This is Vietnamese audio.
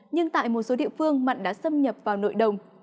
nhưng tại một số địa phương mặn đã xâm nhập vào nội đồng